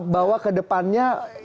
bahwa ke depannya